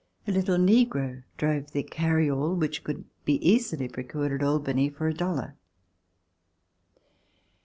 A little negro drove the "carry all" which could be easily procured at Albany for a dollar.